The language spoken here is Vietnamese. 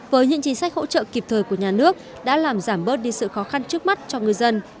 với những chính sách hỗ trợ kịp thời của nhà nước đã làm giảm bớt đi sự khó khăn trước mắt cho ngư dân